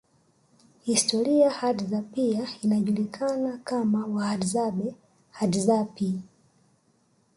Historia Hadza pia inajulikana kama Wahadzabe Hadzapi